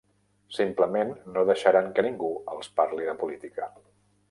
Simplement no deixaran que ningú els parli de política.